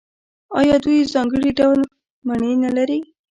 آیا دوی ځانګړي ډول مڼې نلري؟